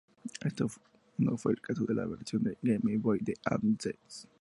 Esto no fue el caso en la versión de Game Boy Advance.